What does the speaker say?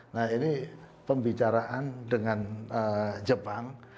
nah ini pembicaraan dengan jepang